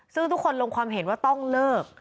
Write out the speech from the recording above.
ซึ่งทุกคนลงความเห็นว่าต้องเลิก